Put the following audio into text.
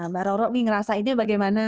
mbak roro nih ngerasainnya bagaimana